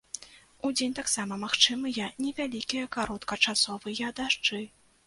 Удзень таксама магчымыя невялікія кароткачасовыя дажджы.